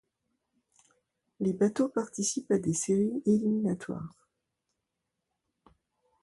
Les bateaux participent à des séries éliminatoires.